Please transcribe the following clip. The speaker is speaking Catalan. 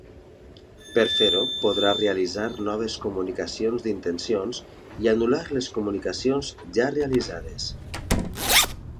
Per fer-ho podrà realitzar noves comunicacions d'intencions i anul·lar les comunicacions ja realitzades.